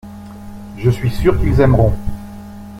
Je suis sûr qu’ils aimeront.